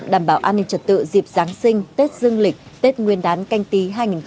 đảm bảo an ninh trật tự dịp giáng sinh tết dương lịch tết nguyên đán canh tí hai nghìn hai mươi